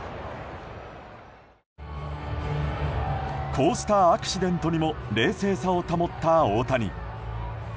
こうしたアクシデントにも冷静さを保った大谷。